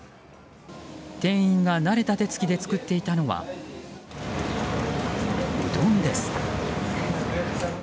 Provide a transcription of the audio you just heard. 店員が慣れた手付きで作っていたのはうどんです。